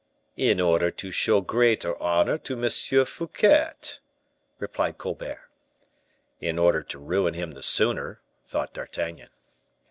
"In order to show greater honor to M. Fouquet," replied Colbert. "In order to ruin him the sooner," thought D'Artagnan.